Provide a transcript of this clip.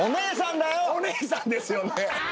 お姉さんですよね。